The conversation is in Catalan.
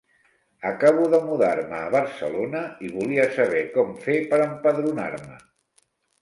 Acabo de mudar-me a Barcelona, i volia saber com fer per empadronar-me.